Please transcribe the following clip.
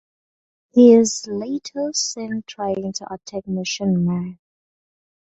He is later seen trying to attack Machine Man.